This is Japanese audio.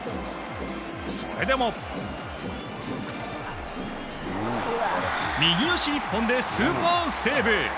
それでも右足一本でスーパーセーブ！